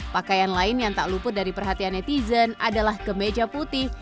pakaian lain yang tak luput dari perhatian netizen adalah kemeja putih